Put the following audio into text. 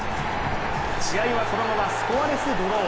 試合はこのままスコアレスドロー。